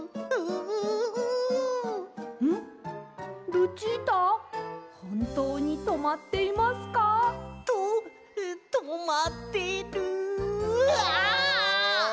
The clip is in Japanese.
ルチータほんとうにとまっていますか？ととまってるああ！